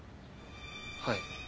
はい。